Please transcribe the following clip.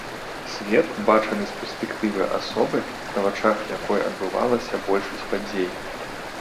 Свет, бачаны з перспектывы асобы, на вачах якой адбывалася большасць падзей.